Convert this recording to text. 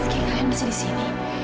ki kalian bisa di sini